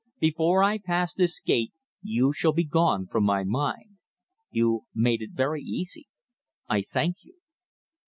Before I pass this gate you shall be gone from my mind. You made it very easy. I thank you."